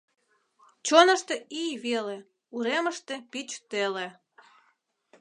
Чонышто ий веле, уремыште пич теле.